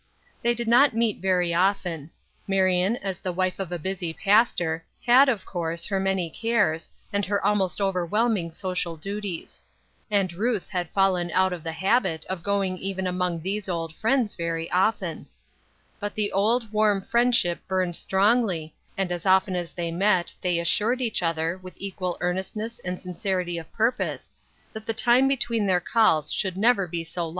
They did not meet very often. Marion, as the wife of a busy pastor, had, of course, her many cares, and her almost overwhelming social duties ; and Ruth had fallen out of the habit of going even among these old friends very often. But the old, warm friendship burned strongly, and as often as they met they assured each other, with equal earnestness and sincerity of purpose, that the time between their calls should never be so 40 UNWELCOME RESPONSIBILITIES.